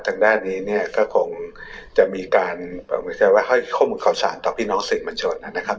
ตรงด้านนี้เนี่ยก็คงจะมีการบอกมันแค่ว่าให้ข้อมูลขอสารต่อพี่น้องสิทธิ์มาโจทย์นะครับ